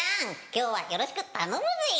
今日はよろしく頼むぜ！」。